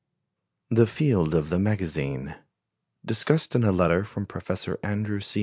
The Field of the Magazine DISCUSSED IN A LETTER FROM PROFESSOR ANDREW C.